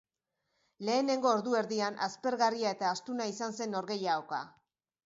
Lehenengo ordu erdian aspergarria eta astuna izan zen norgehiagoka.